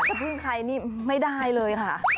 พึ่งใครนี่ไม่ได้เลยค่ะ